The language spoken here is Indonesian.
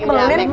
ya udah amec